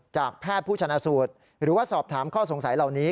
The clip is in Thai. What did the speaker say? จากแพทย์ผู้ชนะสูตรหรือว่าสอบถามข้อสงสัยเหล่านี้